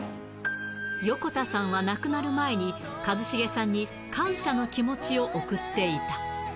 横田さんは亡くなる前に、一茂さんに感謝の気持ちを送っていた。